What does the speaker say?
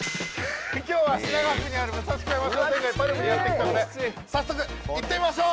今日は品川区にある武蔵小山商店街パルムにやって来たので早速行ってみましょう！